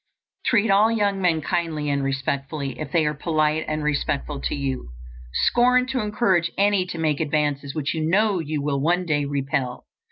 Treat all young men kindly and respectfully, if they are polite and respectful to you. Scorn to encourage any to make advances which you know you will one day repel.